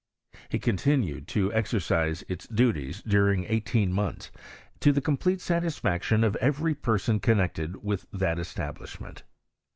He continued to exercise its duties during eighteen months, to the complete satisfaction of every person connected with that es tablishment.